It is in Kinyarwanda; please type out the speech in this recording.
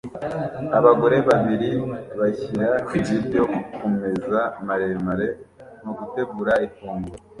Abagore babiri bashyira ibiryo kumeza maremare mugutegura ifunguro